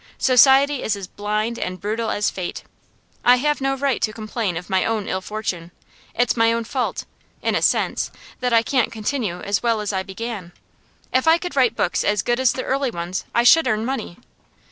Society is as blind and brutal as fate. I have no right to complain of my own ill fortune; it's my own fault (in a sense) that I can't continue as well as I began; if I could write books as good as the early ones I should earn money.